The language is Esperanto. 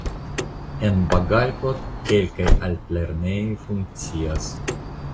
En Bagalkot kelkaj altlernejoj funkcias.